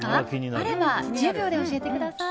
あれば１０秒で教えてください。